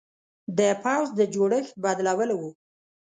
د پوځ د جوړښت بدلول و.